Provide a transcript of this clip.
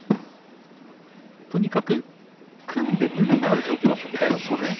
とにかく、組んで胸が合う状況は避けたいですね。